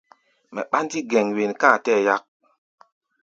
Mɛ ɓándí gɛn wen ká a tɛɛ́ yak.